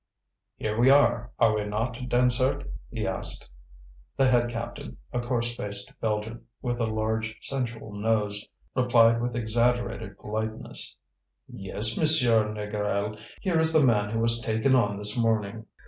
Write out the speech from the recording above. "Here we are, are we not, Dansaert?" he asked. The head captain, a coarse faced Belgian, with a large sensual nose, replied with exaggerated politeness: "Yes, Monsieur Négrel. Here is the man who was taken on this morning."